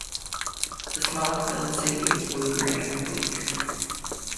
The smog filled city is blue-grey and bleak.